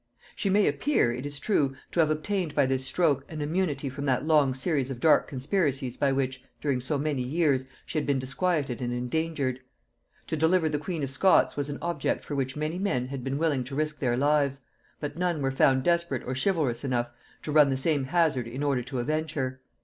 She may appear, it is true, to have obtained by this stroke an immunity from that long series of dark conspiracies by which, during so many years, she had been disquieted and endangered. To deliver the queen of Scots was an object for which many men had been willing to risk their lives; but none were found desperate or chivalrous enough to run the same hazard in order to avenge her.